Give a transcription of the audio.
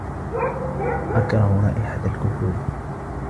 أكره رائحة الكحول.